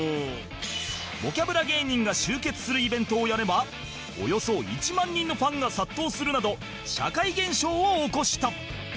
ボキャブラ芸人が集結するイベントをやればおよそ１万人のファンが殺到するなど社会現象を起こした